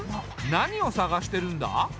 何を探してるんだ？